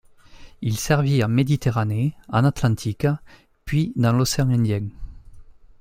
Il servit en Méditerranée, en Atlantique puis dans l'océan Indien.